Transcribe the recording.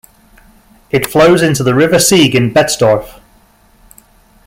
It flows into the river Sieg in Betzdorf.